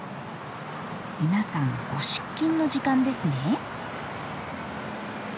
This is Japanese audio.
皆さんご出勤の時間ですね。